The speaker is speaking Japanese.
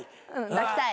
抱きたい。